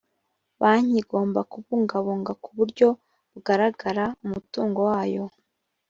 banki igomba kubungabunga ku buryo bugaragara umutungo wayo